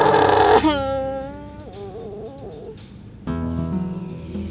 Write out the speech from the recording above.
kamu takut dengan suara harimau